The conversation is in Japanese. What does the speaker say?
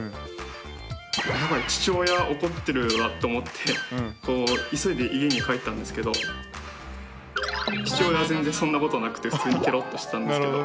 あやばい父親怒ってるわと思って急いで家に帰ったんですけど父親は全然そんなことなくて普通にけろっとしてたんですけど。